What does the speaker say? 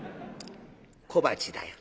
小鉢だよ。